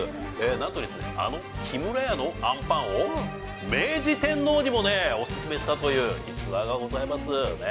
なんとですね、あの木村屋のあんぱんを明治天皇にもね、お勧めしたという逸話がございます。